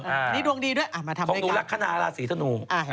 อันนี้ดวงดีด้วยมาทำด้วยกันของหนูรักขนาดราศีทะนู